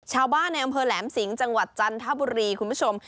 ชาวบ้านในอำเภอแหลมสิงห์จังหวัดจันทบุรีคุณผู้ชม